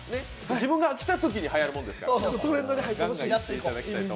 自分が飽きたときにはやるもんですから。